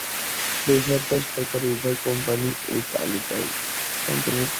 বেসরকারি ও সরকারি উভয় কোম্পানিই এ তালিকায় অন্তর্ভুক্ত।